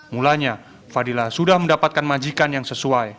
mulanya fadila sudah mendapatkan majikan yang sesuai